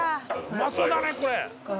うまそうだねこれ！